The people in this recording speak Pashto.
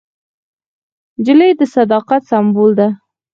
نجلۍ د صداقت سمبول ده.